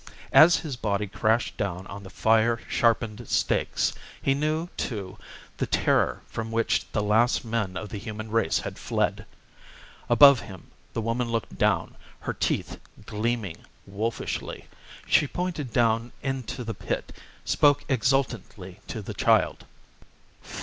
As his body crashed down on the fire sharpened stakes, he knew too the terror from which the last men of the human race had fled. Above him the woman looked down, her teeth gleaming wolfishly. She pointed down into the pit; spoke exultantly to the child.